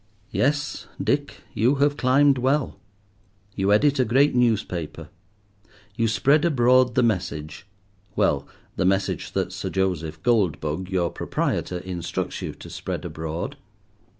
Yes, Dick, you have climbed well. You edit a great newspaper. You spread abroad the message—well, the message that Sir Joseph Goldbug, your proprietor, instructs you to spread abroad.